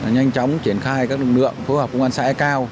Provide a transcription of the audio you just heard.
nhanh chóng triển khai các lực lượng phối hợp công an xã cao